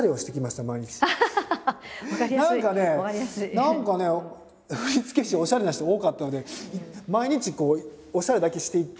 何かね振付師おしゃれな人多かったので毎日こうおしゃれだけして行って。